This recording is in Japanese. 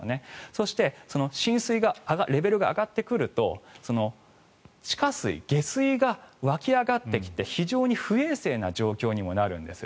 そして、浸水のレベルが上がってくると地下水、下水が湧き上がってきて非常に不衛生な状況にもなるんです。